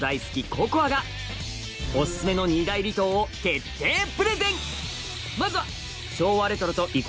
ここあがオススメの２大離島を徹底プレゼン